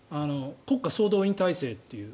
国家総動員体制という。